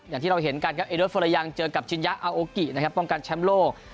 อย่างที่เราเห็นกันครับเอโดฟอเรยังเจอกับชินยะอาโอกินะครับป้องกันแชมป์โลก